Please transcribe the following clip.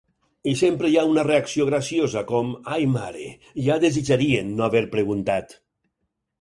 I sempre hi ha una reacció graciosa, com "Ai mare, ja desitjarien no haver preguntat.